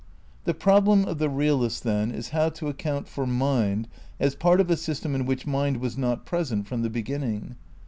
The problem of the realist, then, is how to account for mind as part of a system in which mind was not present from the beginning.